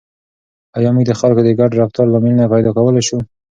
آیا موږ د خلکو د ګډ رفتار لاملونه پیدا کولای شو؟